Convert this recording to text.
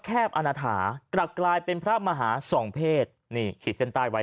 บอกอาณาถากลับกลายเป็นพระมหาส่องเพศนี่ขีดเส้นใต้ไว้